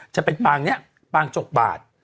จะเป็นปางนี้ปางจกบาท